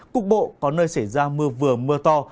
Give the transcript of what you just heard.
cục bộ có nơi xảy ra mưa vừa mưa to